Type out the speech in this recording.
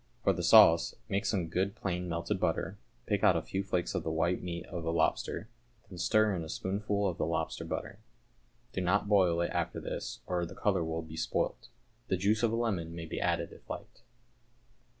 For the sauce, make some good plain melted butter, pick out a few flakes of the white meat of a lobster, then stir in a spoonful of the lobster butter. Do not boil it after this, or the colour will be spoilt. The juice of a lemon may be added if liked.